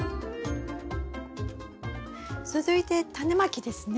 続いてタネまきですね？